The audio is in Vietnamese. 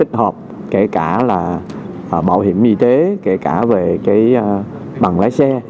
tích hợp kể cả là bảo hiểm y tế kể cả về bằng lái xe